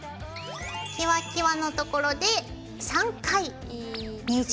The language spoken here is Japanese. キワキワのところで３回ねじります。